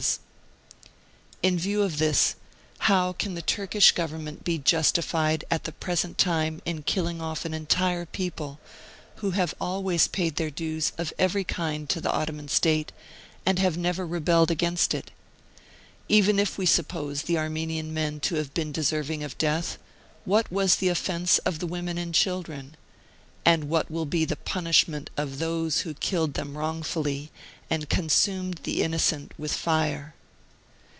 TRANSLATOR. Martyred Armenia 55 In view of this, how can the Turkish Govern ment be justified at the present time in killing off an entire people, who have always paid their dues of i very kind to the Ottoman State, and have never rebelled against it? Even if we suppose the Ar menian men to have been deserving of death, what was the offence of the women and children? And what will be the punishment of those who killed them wrongfully and consumed the innocent with lire